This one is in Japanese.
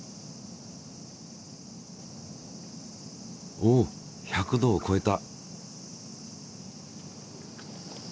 おっ１００度をこえた！